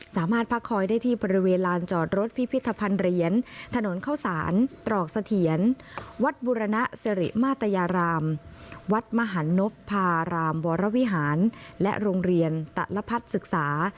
สามารถพักคอยได้ที่บริเวณลานจอดรถพิพิธภัณฑ์เหรียญถนนเข้าสารตรอกเสถียรวัดบุรณสิริมาตยารามวัดมหันนพพารามวรวิหารและโรงเรียนตลพัฒน์ศึกษา